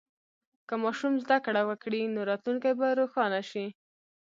که ماشوم زده کړه وکړي، نو راتلونکی به روښانه شي.